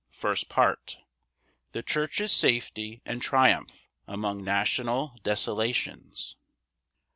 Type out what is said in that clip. First Part. The church's safety and triumph among national desolations.